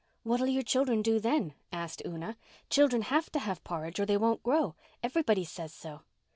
"What'll your children do then?" asked Una. "Children have to have porridge or they won't grow. Everybody says so."